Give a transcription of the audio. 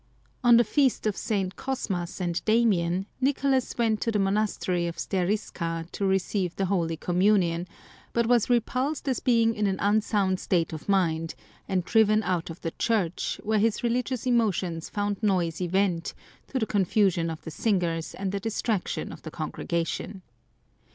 On the Feast of SS. Cosmas and Damian, Nicolas went to the monastery of Sterisca to receive the Holy Communion, but was repulsed as being in an unsound state of mind, and driven out of the church, where his religious emotions found noisy vent, to the con fusion of the singers and the distraction of the congregation.